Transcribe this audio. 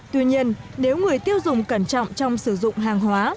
tuy nhiên nếu người tiêu dùng cẩn trọng trong sử dụng hàng hóa